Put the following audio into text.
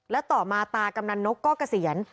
และต่อมาตากำนันนกก็เกษียณ